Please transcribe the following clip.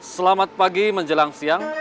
selamat pagi menjelang siang